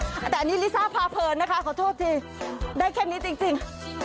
แต่อันนี้ลิซ่าพาเพลินนะคะขอโทษทีได้แค่นี้จริง